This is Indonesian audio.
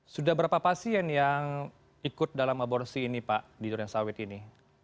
sudah berapa pasien yang ikut dalam aborsi ini pak di durensawit ini